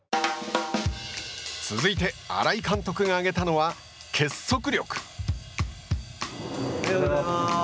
続いて新井監督が挙げたのは結束力。